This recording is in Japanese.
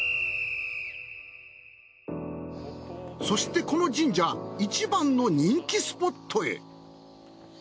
そしてこの神社一番の人気スポットへ。